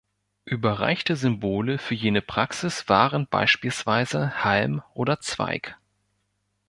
Überreichte Symbole für jene Praxis waren beispielsweise Halm oder Zweig.